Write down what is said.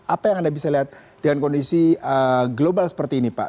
apa yang anda bisa lihat dengan kondisi global seperti ini pak